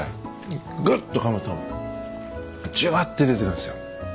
ぐっとかむとじゅわって出てくるんすよ。